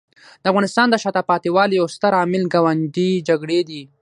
د افغانستان د شاته پاتې والي یو ستر عامل ګاونډي جګړې دي.